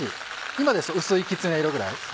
今ですと薄いきつね色ぐらい。